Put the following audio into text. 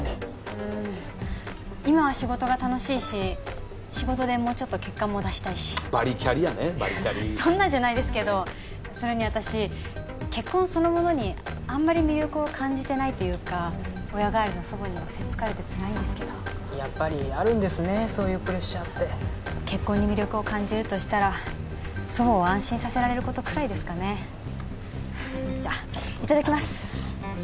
うん今は仕事が楽しいし仕事でもうちょっと結果も出したいしバリキャリやねバリキャリそんなんじゃないですけどそれに私結婚そのものにあんまり魅力を感じてないっていうか親代わりの祖母にはせっつかれてつらいんですけどやっぱりあるんですねそういうプレッシャーって結婚に魅力を感じるとしたら祖母を安心させられることくらいですかねじゃいただきます